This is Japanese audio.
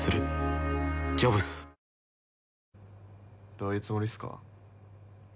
どういうつもりっすか？